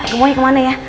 kemuanya kemana ya